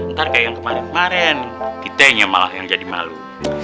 ntar kayak yang kemarin kemarin kitanya malah yang jadi malu